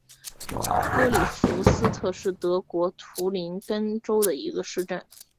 格里夫斯特是德国图林根州的一个市镇。